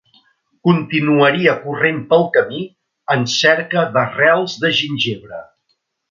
Continuaria corrent pel camí en cerca d'arrels de gingebre.